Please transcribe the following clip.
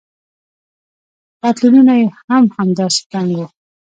پتلونونه يې هم همداسې تنګ وو.